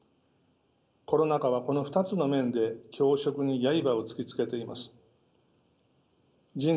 コロナ禍はこの２つの面で共食にやいばを突きつけています。